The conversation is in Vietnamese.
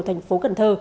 thành phố cần thơ